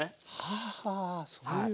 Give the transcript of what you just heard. はあはあそういう。